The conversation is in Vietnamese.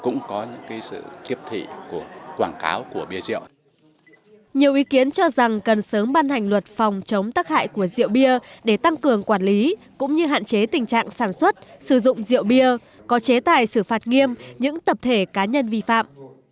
nhiều ý kiến cho rằng cần sớm ban hành luật phòng chống tắc hại của rượu bia để tăng cường quản lý cũng như hạn chế tình trạng sản xuất sử dụng rượu bia có chế tài xử phạt nghiêm những tập thể cá nhân vi phạm